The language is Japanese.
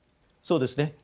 そうですね。